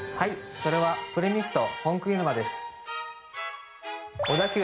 それはプレミスト本沼です。